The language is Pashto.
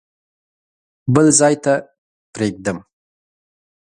بل ځای ته پرېږدم.